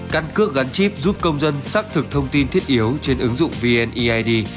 căn cước gắn chip giúp công dân xác thực thông tin thiết yếu trên ứng dụng vneid